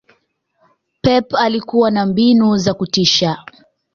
Pep alikua na mbinu za kutisha